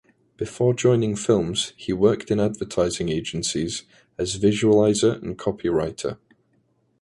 Before joining films he worked in Advertising Agencies as visualizer and copy writer.